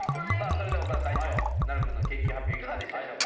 それでは長田会長凪瑠くんの研究発表いかがでしたでしょうか？